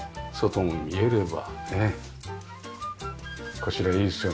こちらいいですよね。